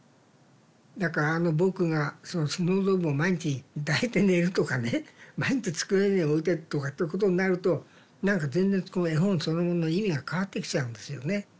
だからあの「ぼく」がそのスノードームを毎日抱いて寝るとかね毎日机の上に置いてとかっていうことになると何か全然この絵本そのものの意味が変わってきちゃうんですよね。